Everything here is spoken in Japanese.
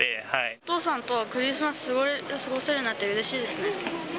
お父さんとクリスマスを過ごせるなんて、うれしいですね。